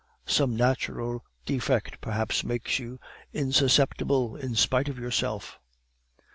Some natural defect perhaps makes you insusceptible in spite of yourself?